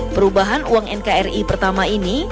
perubahan uang nkri pertama ini